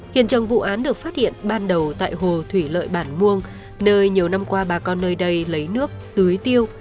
hiện trồng vụ án được phát hiện ban đầu tại hồ thủy lợi bản muông nơi nhiều năm qua bà con nơi đây lấy nước tưới tiêu